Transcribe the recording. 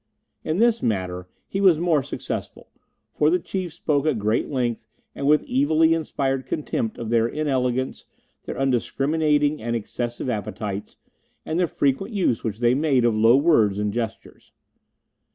In this matter he was more successful, for the Chief spoke at great length and with evilly inspired contempt of their inelegance, their undiscriminating and excessive appetites, and the frequent use which they made of low words and gestures.